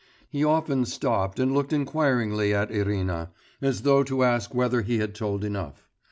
He often stopped and looked inquiringly at Irina, as though to ask whether he had told enough.